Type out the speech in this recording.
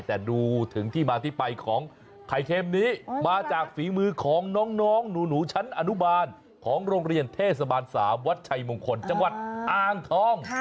แต่ดูถึงที่มาที่ไปของไข่เค็มนี้มาจากฝีมือของน้องหนูชั้นอนุบาลของโรงเรียนเทศบาล๓วัดชัยมงคลจังหวัดอ่างทอง